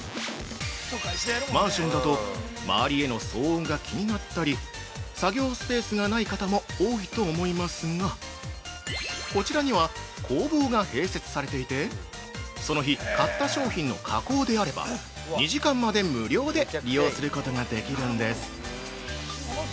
◆マンションだと周りへの騒音が気になったり、作業スペースがない方も多いと思いますが、こちらには工房が併設されていて、その日買った商品の加工であれば２時間まで無料で利用することができるんです。